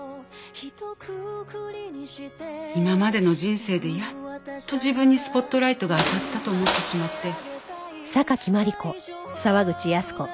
今までの人生でやっと自分にスポットライトが当たったと思ってしまって。